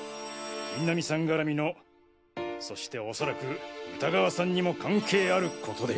印南さんがらみのそして恐らく歌川さんにも関係あることで。